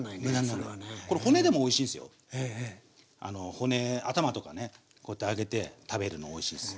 骨頭とかねこうやって揚げて食べるのおいしいっす。